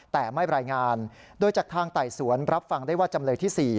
แต่ไม่รายงานโดยจากทางไต่สวนรับฟังได้ว่าจำเลยที่๔